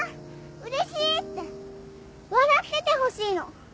うれしい！」って笑っててほしいの。